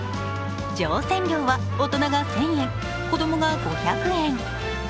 乗船料は、大人が１０００円子供が５００円。